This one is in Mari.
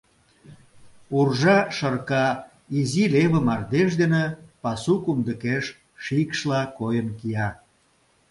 Уржа шырка изи леве мардеж дене пасу кумдыкеш шикшла койын кая.